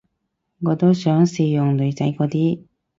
我都想試用女仔嗰啲